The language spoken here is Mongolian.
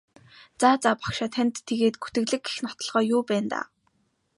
За за багшаа танд тэгээд гүтгэлэг гэх нотолгоо юу байна даа?